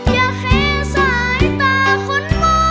อย่าแข้สายตาคนด้วยน้อง